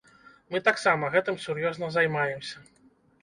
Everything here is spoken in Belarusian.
Мы таксама гэтым сур'ёзна займаемся.